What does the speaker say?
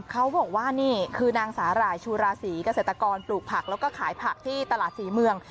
เขาบอกว่านี่คือนางสาหร่ายชูราศีเกษตรกรปลูกผักแล้วก็ขายผักที่ตลาดศรีเมือง